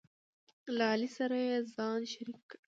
له علي سره یې ځان شریک کړ،